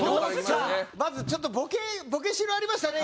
まずちょっとボケボケしろありましたね